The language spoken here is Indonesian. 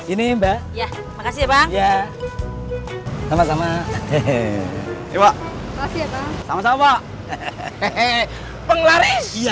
ini mbak ya makasih ya bang ya sama sama hehehe iwak sama sama hehehe penglaris ya